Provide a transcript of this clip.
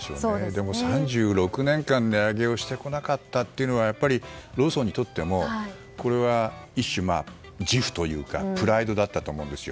でも３６年間、値上げをしてこなかったというのはローソンにとってもこれは一種、自負というかプライドだったと思うんです。